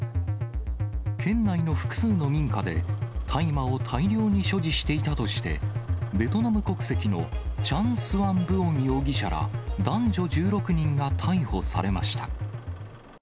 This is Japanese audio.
県内の複数の民家で大麻を大量に所持していたとして、ベトナム国籍のチャン・スアン・ブオン容疑者ら男女１６人が逮捕されました。